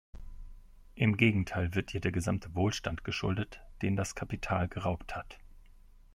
Im Gegenteil wird ihr der gesamte Wohlstand geschuldet, den das Kapital geraubt hat.